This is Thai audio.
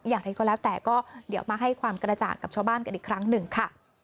อย่างไรก็แล้วแต่ก็เดี๋ยวมาให้ความกระจ่างกับชาวบ้านกันอีกครั้งหนึ่งค่ะ